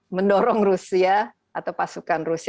dan bisa mendorong rusia atau pasukan rusia